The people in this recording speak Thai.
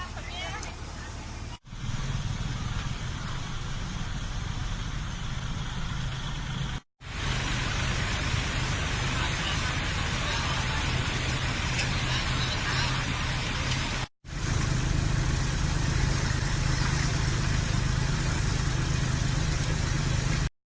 โปรดติดตามตอนต่อไป